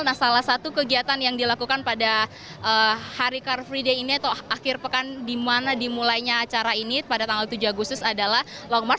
nah salah satu kegiatan yang dilakukan pada hari car free day ini atau akhir pekan di mana dimulainya acara ini pada tanggal tujuh agustus adalah long march